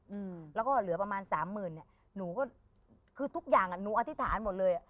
อืมแล้วก็เหลือประมาณสามหมื่นเนี้ยหนูก็คือทุกอย่างอ่ะหนูอธิษฐานหมดเลยอ่ะ